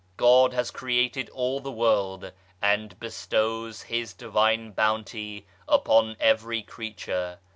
God has created all the world, and bestows His Divine Bounty upon every creature.